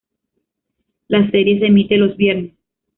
La serie se emite los viernes.